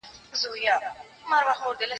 ويل موري ستا تر ژبي دي قربان سم